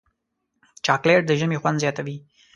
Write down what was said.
چاکلېټ د ژمي خوند زیاتوي.